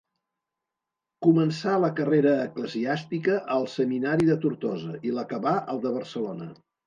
Començà la carrera eclesiàstica al seminari de Tortosa i l'acabà al de Barcelona.